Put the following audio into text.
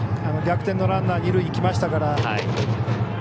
逆転のランナー二塁にいきましたから。